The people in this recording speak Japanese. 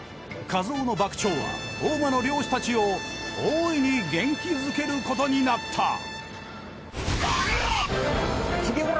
一夫の爆釣は大間の漁師たちを大いに元気づけることになった。